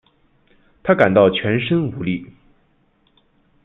她感到全身无力